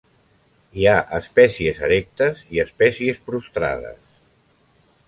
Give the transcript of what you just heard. Hi ha espècies erectes i espècies prostrades.